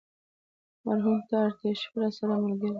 مرهون تر آرشیفه راسره ملګری و.